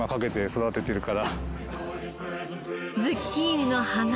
ズッキーニの花。